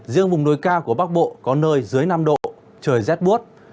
riêng vùng núi cao của bắc bộ có nơi dưới năm độ trời rét buốt